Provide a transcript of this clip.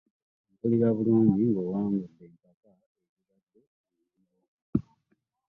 Mpulira bulungi nga owangudde empaka ezibadde enzibu,